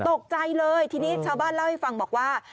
ตกใจเลยทีนี้ชาวบ้านเล่าให้ฟังบอกว่า